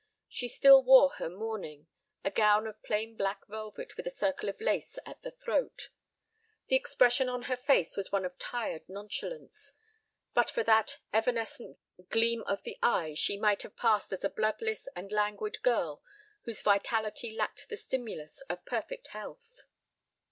She still wore her mourning, a gown of plain black velvet with a circle of lace at the throat. The expression on her face was one of tired nonchalance. But for that evanescent gleam of the eyes she might have passed as a bloodless and languid girl whose vitality lacked the stimulus of perfect health.